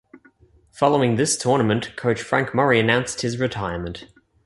Following this tournament coach Frank Murray announced his retirement.